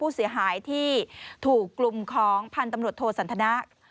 เสียหายที่ถูกกลุ่มของพันธุ์ตำรวจโทสันทนะ